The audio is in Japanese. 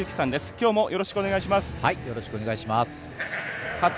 きょうもよろしくお願いします。